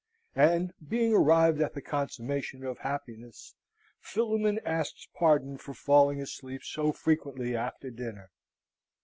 and, being arrived at the consummation of happiness, Philemon asks pardon for falling asleep so frequently after dinner.